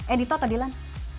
eh dito atau dilan